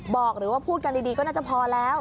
บอกหรือว่าพูดกันดีก็น่าจะพอแล้ว